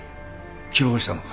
希望したのか？